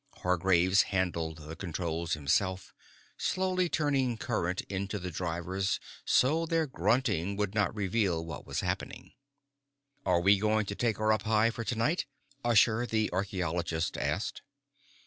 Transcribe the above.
Hargraves handled the controls himself, slowly turning current into the drivers so their grunting would not reveal what was happening. "Are we going to take her up high for tonight?" Ushur, the archeologist asked.